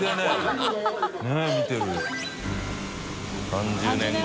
「３０年後」